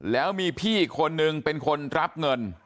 แล้วมีพี่อีกคนนึงเป็นคนรับเงิน